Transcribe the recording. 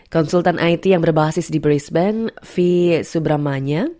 konsultan it yang berbasis di brisbane fi subramanya